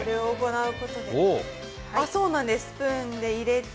スプーンで入れて。